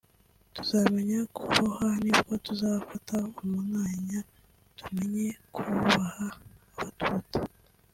tuzamenya kuboha nibwo tuzafata umwanya tumenye kubaha abaturuta